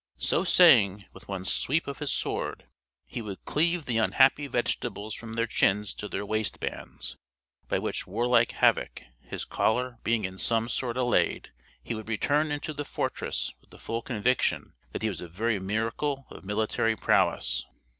So saying, with one sweep of his sword, he would cleave the unhappy vegetables from their chins to their waist bands; by which warlike havoc, his choler being in some sort allayed, he would return into the fortress with the full conviction that he was a very miracle of military prowess.